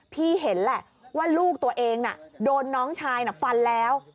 พี่เห็นแหละว่าลูกตัวเองโดนน้องชายฟันแล้ว